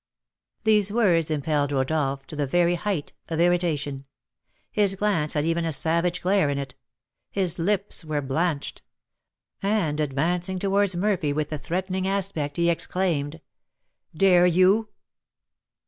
These words impelled Rodolph to the very height of irritation; his glance had even a savage glare in it; his lips were blanched; and, advancing towards Murphy with a threatening aspect, he exclaimed, "Dare you?"